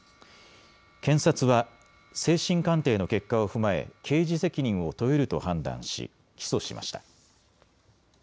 検察は精神鑑定の結果を踏まえ刑事責任を問えると判断し起訴しました。